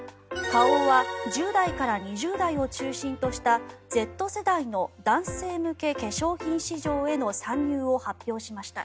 花王は１０代から２０代を中心としたＺ世代の男性向け化粧品市場への参入を発表しました。